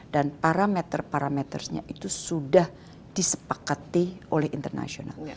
dan parameter parameternya itu sudah disepakati oleh internasional